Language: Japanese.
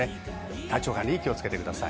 体調管理に気をつけてください。